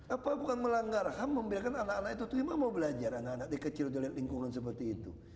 apa bukan melanggar ham membiarkan anak anak itu terima mau belajar anak anak di kecil dilihat lingkungan seperti itu